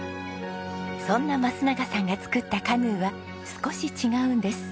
そんな増永さんが作ったカヌーは少し違うんです。